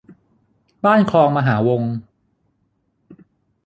บ้านคลองมหาวงก์